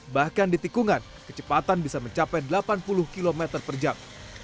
bahkan di tikungan kecepatan bisa mencapai delapan puluh km per jam